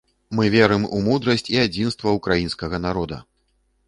Мы верым у мудрасць і адзінства ўкраінскага народа!